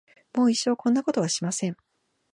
もう一生こんなことはしません。